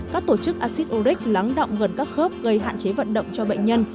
các tổ chức acid uric lắng động gần các khớp gây hạn chế vận động cho bệnh nhân